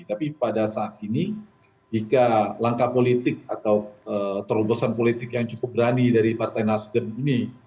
tapi pada saat ini jika langkah politik atau terobosan politik yang cukup berani dari partai nasdem ini